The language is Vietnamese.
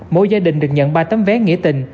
mỗi gia đình được nhận ba tấm vé nghĩa tình